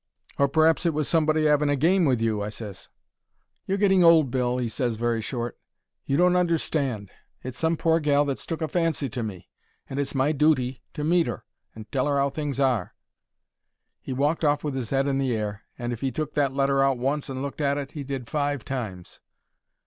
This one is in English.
"Or p'r'aps it was somebody 'aving a game with you," I ses. "You're getting old, Bill," he ses, very short. "You don't understand. It's some pore gal that's took a fancy to me, and it's my dooty to meet 'er and tell her 'ow things are." He walked off with his 'ead in the air, and if 'e took that letter out once and looked at it, he did five times.